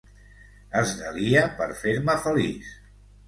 Es delia per fer-me feliç.